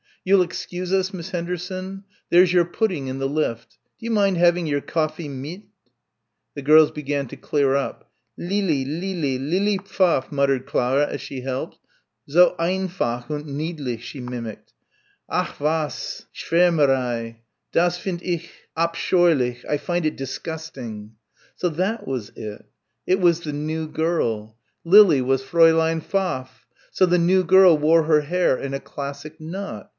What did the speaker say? You'll excuse us, Miss Henderson? There's your pudding in the lift. Do you mind having your coffee mit?" The girls began to clear up. "Leely, Leely, Leely Pfaff," muttered Clara as she helped, "so einfach und niedlich," she mimicked, "ach was! Schwärmerei das find' ich abscheulich! I find it disgusting!" So that was it. It was the new girl. Lily, was Fräulein Pfaff. So the new girl wore her hair in a classic knot.